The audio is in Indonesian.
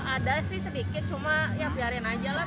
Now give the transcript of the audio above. ada sih sedikit cuma ya biarin aja lah